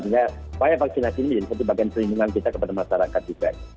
sehingga upaya vaksinasi ini menjadi satu bagian perlindungan kita kepada masyarakat juga